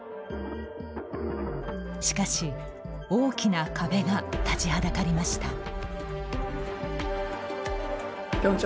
しかし、大きな壁が立ちはだかりました。